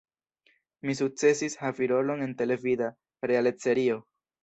Mi sukcesis havi rolon en televida realec-serio.